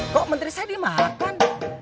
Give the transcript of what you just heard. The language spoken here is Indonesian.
kok menteri saya dimakan